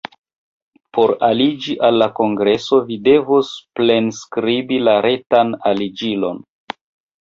Por aliĝi al la kongreso, vi devos plenskribi la retan aliĝilon.